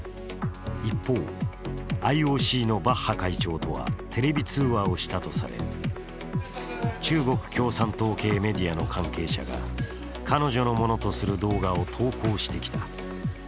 一方、ＩＯＣのバッハ会長とはテレビ通話をしたとされ、中国共産党系メディアの関係者が彼女のものとする動画を投稿してきた。